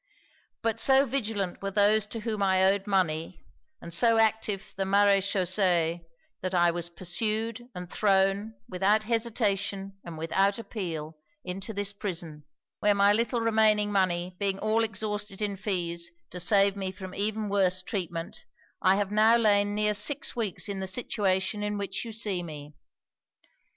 But so vigilant were those to whom I owed money, and so active the maréchaussés, that I was pursued, and thrown, without hesitation and without appeal, into this prison; where my little remaining money, being all exhausted in fees, to save me from even worse treatment, I have now lain near six weeks in the situation in which you see me.